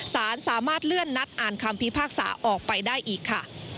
สารสามารถเลื่อนนัดอ่านคำพิพากษาออกไปได้อีกค่ะ